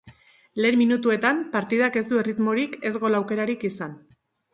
Lehen minutuetan partidak ez du erritmorik ez gol aukerarik izan.